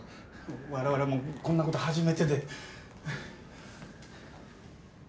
われわれもこんなこと初めてで。